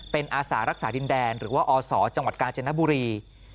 เป็นอาสารักษาดินแดนหรือว่าอศจังหวัดกาญจนบุรี